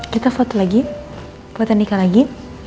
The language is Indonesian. kita foto lagi buatan nikah lagi